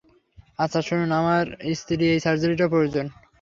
আচ্ছা, শুনুন, আমার স্ত্রীর এই সার্জারিটা প্রয়োজন।